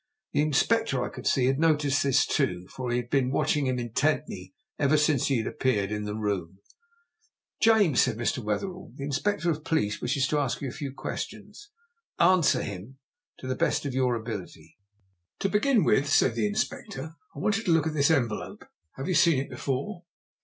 The Inspector I could see had noticed this too, for he had been watching him intently ever since he had appeared in the room. "James," said Mr. Wetherell, "the Inspector of Police wishes to ask you a few questions. Answer him to the best of your ability." "To begin with," said the Inspector, "I want you to look at this envelope. Have you seen it before?"